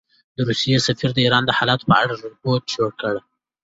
د روسیې سفیر د ایران د حالاتو په اړه رپوټ جوړ کړ.